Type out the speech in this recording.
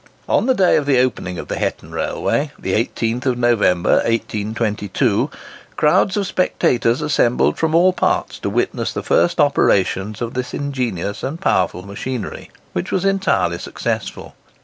On the day of the opening of the Hetton Railway, the 18th November, 1822, crowds of spectators assembled from all parts to witness the first operations of this ingenious and powerful machinery, which was entirely successful.